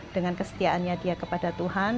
dengan kesetiaannya dia kepada tuhan